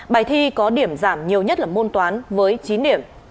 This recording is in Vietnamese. bài thi có điểm giảm nhiều nhất là môn toán với chín điểm